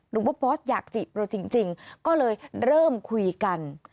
บอสอยากจีบเราจริงก็เลยเริ่มคุยกัน